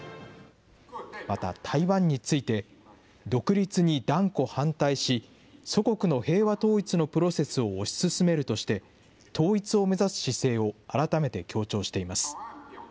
また台湾について、独立に断固反対し、祖国の平和統一のプロセスを推し進めるとして、統一を目指す姿勢を改めて強調しています。